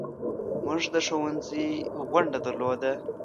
موږ د ښوونځي غونډه درلوده.